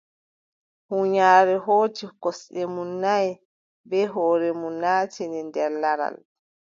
Huunyaare hooci kosɗe muuɗum nay, bee hoore mum naastini nder laral.